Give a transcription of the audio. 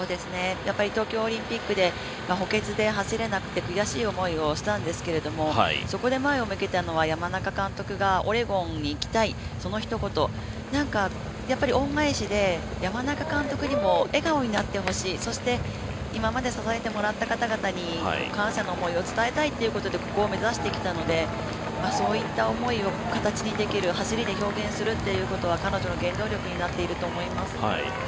東京オリンピックで補欠で走れなくて悔しい思いをしたんですけれどもそこで前を向けたのは山中監督がオレゴンに行きたいそのひと言なんか、恩返しで山中監督にも笑顔になってほしいそして今まで支えてもらった方々に感謝の思いを伝えたいということでここを目指してきたので、そういった思いを形にできる走りで表現するというのが彼女の原動力になっていると思います。